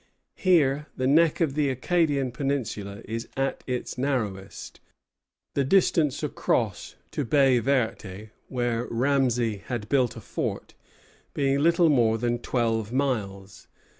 Here the neck of the Acadian peninsula is at its narrowest, the distance across to Baye Verte, where Ramesay had built a fort, being little more than twelve miles.